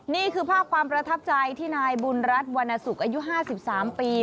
นี่คือภาพความประทับใจที่นายบุญรัฐวรรณสุขอายุ๕๓ปี